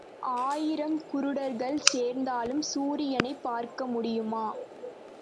ஆயிரம் குருடர்கள் சேர்ந்தாலும் சூரியனைப் பார்க்க முடியுமா?